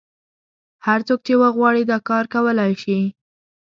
هر څوک چې وغواړي دا کار کولای شي.